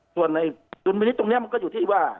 ส่วนในดุลมินิษฐ์ตรงนี้มันก็อยู่ที่ว่า